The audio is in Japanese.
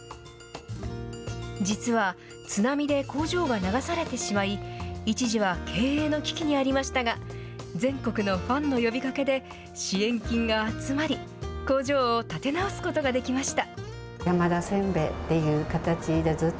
実は津波で工場が流されてしまい、一時は経営の危機にありましたが、全国のファンの呼びかけで、支援金が集まり、工場を建て直すことができました。